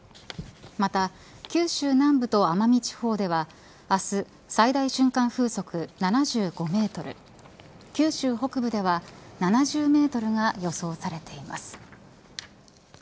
また、九州南部と奄美地方では明日、最大瞬間風速７５メートル九州北部では７０メートルが予想されています。